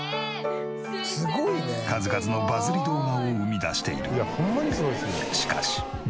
数々のバズり動画を生み出している。